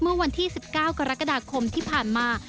เมื่อวันที่๑๙กรกฎาคมที่ผ่านมา